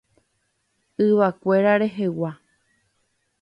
Yvakuéra rehegua.